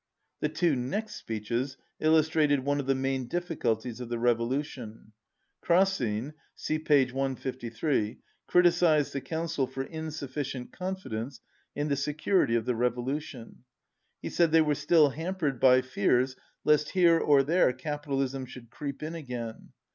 The two next speeches illustrated one of the main difficulties of the revolution. Krasin (see p. 153) criticized the council for insufficient con fidence in the security of the revolution. He said they were still hampered by fears lest here or there capitalism should creep in again.